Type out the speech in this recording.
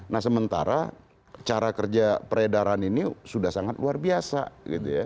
nah sementara cara kerja peredaran ini sudah sangat luar biasa gitu ya